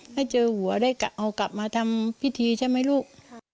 ถ้าเจอหัวได้เอากลับมาทำพิธีใช่ไหมลูก